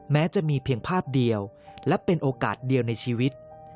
แม้จะมีเพียงภาพเดียวและเป็นโอกาสเดียวในชีวิต